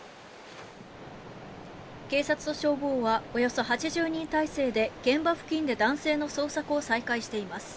警察と消防はおよそ８０人態勢で現場付近で男性の捜索を再開しています。